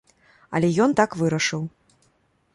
Але ён так вырашыў.